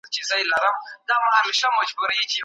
د ښځي پخپله شتمني کي تصرف نافذ دی.